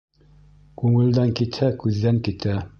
Күңелдән китһә, күҙҙән китә.